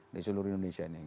di seluruh indonesia ini